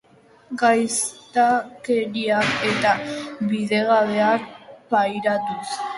Gaiztakeriak eta bidegabeak pairatuz.